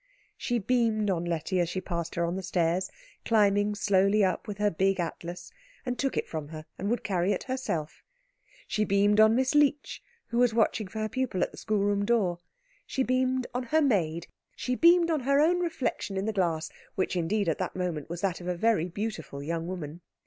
She beamed on Letty as she passed her on the stairs, climbing slowly up with her big atlas, and took it from her and would carry it herself; she beamed on Miss Leech, who was watching for her pupil at the schoolroom door; she beamed on her maid, she beamed on her own reflection in the glass, which indeed at that moment was that of a very beautiful young woman.